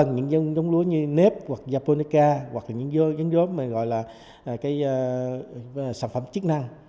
những giống lúa như nếp hoặc japonica hoặc là những giống lúa mà gọi là sản phẩm chức năng